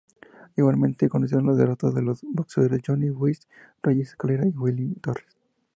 Igualmente conocieron la derrota los boxeadores Johnny Wise, Reyes Escalera y Willie Torres.